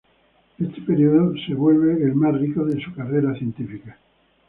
Este período se vuelve el más rico de su carrera científica.